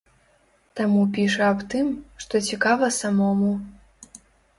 Таму піша аб тым, што цікава самому.